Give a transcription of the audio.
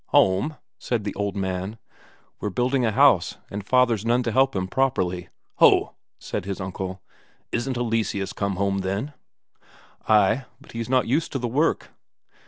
"Home?" said the old man. "We're building a house, and father's none to help him properly." "Ho!" said his uncle. "Isn't Eleseus come home, then?" "Ay, but he's not used to the work."